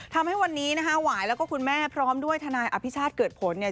ทำให้วันนี้นะคะหวายแล้วก็คุณแม่พร้อมด้วยทนายอภิชาติเกิดผลเนี่ย